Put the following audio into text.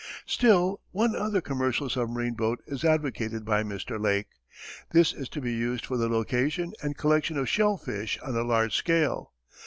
Still one other commercial submarine boat is advocated by Mr. Lake. This is to be used for the location and collection of shellfish on a large scale.